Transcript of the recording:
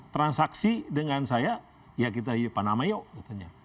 transaksi dengan saya ya kita panama yuk katanya